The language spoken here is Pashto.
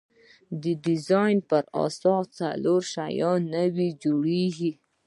د ډیزاین په اساس څلور شیان نوي جوړیږي.